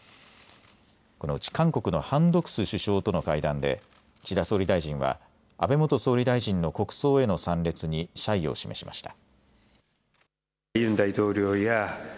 このうち韓国のハン・ドクス首相との会談で岸田総理大臣は安倍元総理大臣の国葬への参列に謝意を示しました。